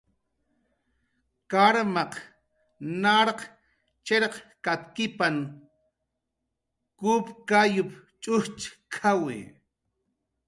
"Kawmaq kup kayup"" ch'ujchk""aw narq chirkatkipna"